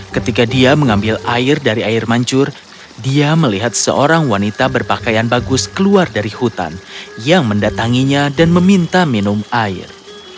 ketika dia mengambil air dari air mancur dia melihat seorang wanita berpakaian bagus keluar dari hutan yang mendatanginya dan meminta minum air